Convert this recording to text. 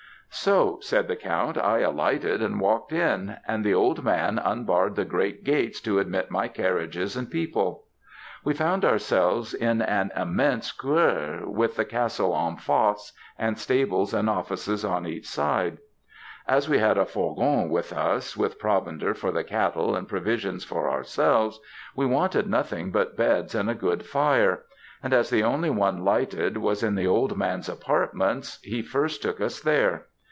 "'So,' said the count, 'I alighted and walked in; and the old man unbarred the great gates to admit my carriages and people. We found ourselves in an immense couer, with the castle en face, and stables and offices on each side. As we had a fourgon with us, with provender for the cattle and provisions for ourselves, we wanted nothing but beds and a good fire; and as the only one lighted was in the old man's apartments, he first took us there.